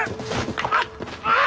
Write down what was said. あっあっ！